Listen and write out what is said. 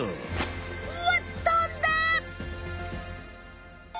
うわっ飛んだ！